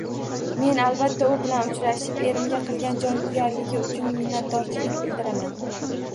Men albatta u bilan uchrashib, erimga qilgan jonkuyarligi uchun minnatdorchilik bildiraman